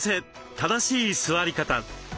正しい座り方。